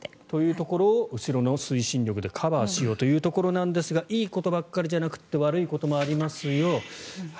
というところを後ろの推進力でカバーしようということですがいいことばかりじゃなくて悪いこともありますよ。